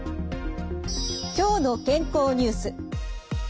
「きょうの健康」ニュース。